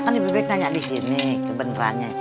kan lebih baik nanya disini kebenerannya